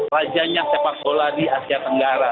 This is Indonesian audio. rajanya sepak bola di asia tenggara